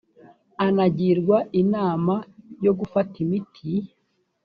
anagirwa inama yo gufata imiti